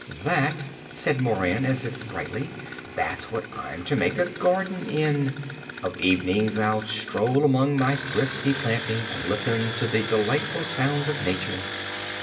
"That," said Moran as if brightly, "that's what I'm to make a garden in. Of evenings I'll stroll among my thrifty plantings and listen to the delightful sounds of nature."